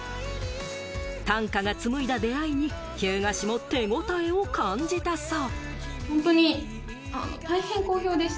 短歌が紡いだ出会いに、日向市も手応えを感じたそう。